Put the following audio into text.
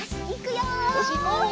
よしいこう！